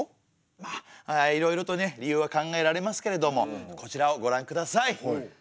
まあいろいろとね理由は考えられますけれどもこちらをごらんください。